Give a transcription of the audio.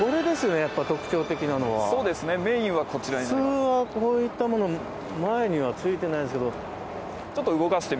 普通はこういったもの前にはついていませんけど。